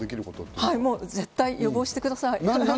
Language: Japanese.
絶対予防してください。